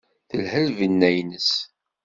Telha lbenna-nnes.